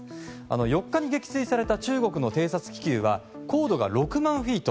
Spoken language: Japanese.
４日に撃墜された中国の偵察気球は高度が６万フィート